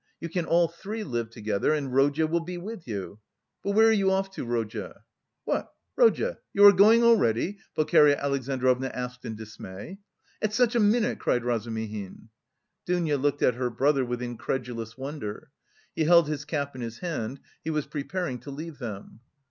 You can all three live together, and Rodya will be with you. But where are you off to, Rodya?" "What, Rodya, you are going already?" Pulcheria Alexandrovna asked in dismay. "At such a minute?" cried Razumihin. Dounia looked at her brother with incredulous wonder. He held his cap in his hand, he was preparing to leave them.